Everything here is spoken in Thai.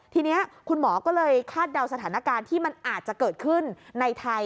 ทีนี้คุณหมอก็เลยคาดเดาสถานการณ์ที่มันอาจจะเกิดขึ้นในไทย